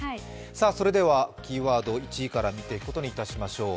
それでは、キーワードを１位から見ていくことにしましょう。